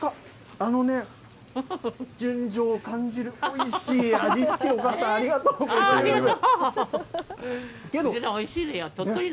あのね、純情を感じるおいしい味付け、お母さん、ありがとうござありがとう。